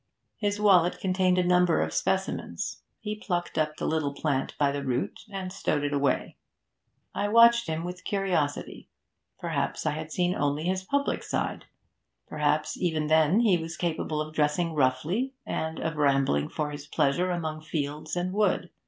His wallet contained a number of specimens; he plucked up the little plant by the root, and stowed it away. I watched him with curiosity. Perhaps I had seen only his public side; perhaps even then he was capable of dressing roughly, and of rambling for his pleasure among fields and wood.